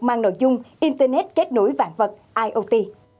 mang nội dung internet kết nối vạn vật